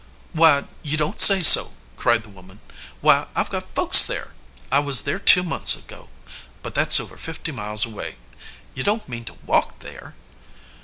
"Why, you don t say so!" cried the woman. "Why, I ve got folks there! I was there two months ago. But that s over fifty miles away. You don t mean to walk there?"